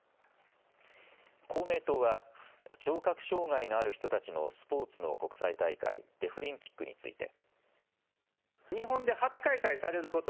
公明党は聴覚障害のある人たちのスポーツの国際大会、デフリンピックについて。